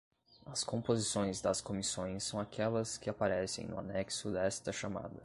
As composições das comissões são aquelas que aparecem no anexo desta chamada.